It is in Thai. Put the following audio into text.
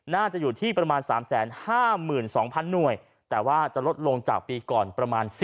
น่าจะอยู่ที่ประมาณ๓๕๒๐๐๐หน่วยแต่ว่าจะลดลงจากปีก่อนประมาณ